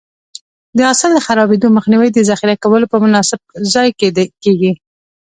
د حاصل د خرابېدو مخنیوی د ذخیره کولو په مناسب ځای کې کېږي.